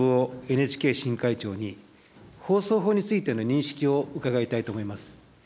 ＮＨＫ新会長に、放送法についての認識を伺いたいと思います。